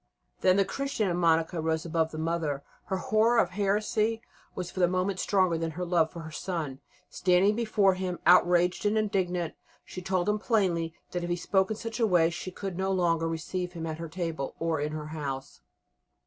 Then the Christian in Monica rose above the mother; her horror of heresy was for the moment stronger than her love for her son. Standing before him, outraged and indignant, she told him plainly that if he spoke in such a way she could no longer receive him at her table or in her house.